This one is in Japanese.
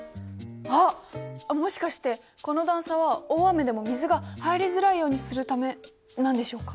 あっもしかしてこの段差は大雨でも水が入りづらいようにするためなんでしょうか？